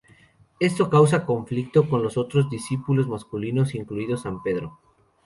Esto causa conflicto con los otros discípulos masculinos, incluido San Pedro.